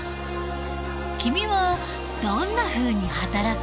君はどんなふうに働く？